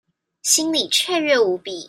心裡雀躍無比